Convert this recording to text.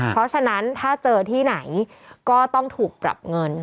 เพราะฉะนั้นถ้าเจอที่ไหนก็ต้องถูกปรับเงิน